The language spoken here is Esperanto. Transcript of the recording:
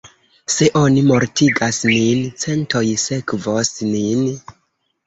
Se oni mortigas nin, centoj sekvos nin.